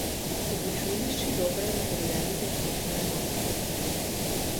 У вучылішчы добрая матэрыяльна-тэхнічная база.